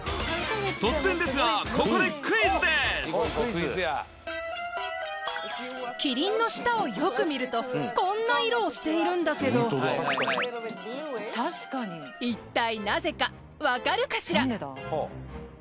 ここでキリンの舌をよく見るとこんな色をしているんだけど一体なぜかわかるかしら？